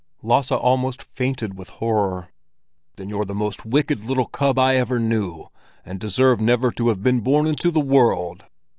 Lasse almost fainted with horror. "Then you're the most wicked little cub I ever knew, and deserve never to have been born into the world!